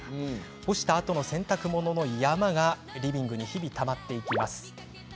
干したあとの洗濯物の山がリビングに日々たまっていきます。